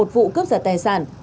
một mươi một vụ cướp giật tài sản